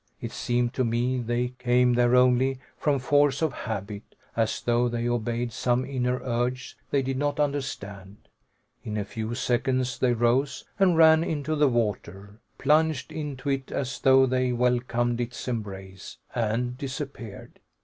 It seemed to me they came there only from force of habit, as though they obeyed some inner urge they did not understand. In a few seconds they rose and ran into the water, plunged into it as though they welcomed its embrace, and disappeared.